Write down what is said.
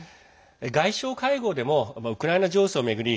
外相会合でもウクライナ情勢を巡り